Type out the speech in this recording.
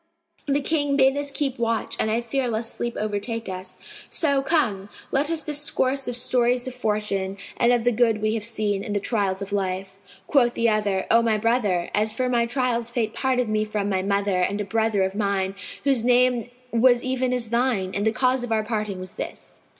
The King bade us keep watch and I fear lest sleep overtake us; so, come, let us discourse of stories of fortune and of the good we have seen and the trials of life." Quoth the other, "O my brother, as for my trials Fate parted me from my mother and a brother of mine, whose name was even as thine; and the cause of our parting was this.